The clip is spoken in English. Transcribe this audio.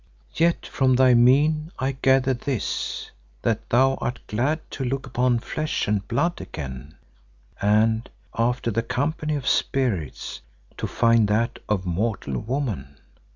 Yet from thy mien I gather this—that thou art glad to look upon flesh and blood again and, after the company of spirits, to find that of mortal woman.